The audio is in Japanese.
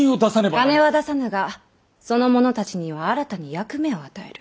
金は出さぬがそのものたちには新たに役目を与える。